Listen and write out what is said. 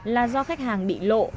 là do khách hàng bị lộ